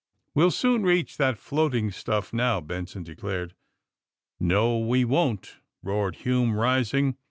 ^^We'll soon reach that floating stuff, now,'^ Benson declared. *^No, we won't!" roared Hume, rising.